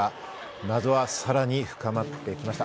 謎はさらに深まってきました。